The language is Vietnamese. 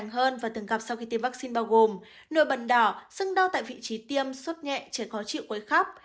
hơn và thường gặp sau khi tiêm vaccine bao gồm nội bần đỏ sưng đau tại vị trí tiêm suốt nhẹ trẻ có chịu quấy khóc